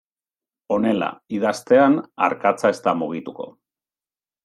Honela, idaztean, arkatza ez da mugituko.